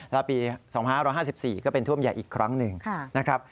แล้วปี๒๕๕๔ก็เป็นท่วมใหญ่อีกครั้งหนึ่งนะครับ